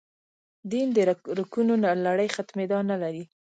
دین درکونو لړۍ ختمېدا نه لري.